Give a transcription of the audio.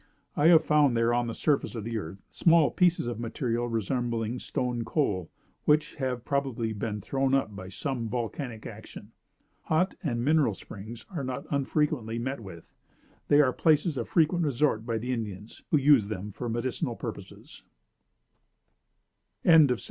I have found there, on the surface of the earth, small pieces of material resembling stone coal, which have probably been thrown up by some volcanic action. Hot and mineral springs are not unfrequently met with. They are places of frequent resort by the Indians, who use them for medicinal purposes. CHAPTER IX.